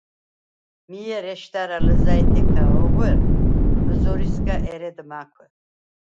მი ერ ეშდარა ლჷზა̈ჲთექა ოღუ̂ერ, ლჷზორისგა ერედ მა̄̈ქუ̂: